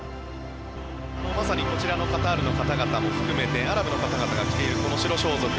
まさにこちらのカタールの方々も含めてアラブの方々が着ている白装束。